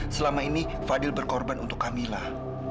selama ini fadil berkorban untuk kamilah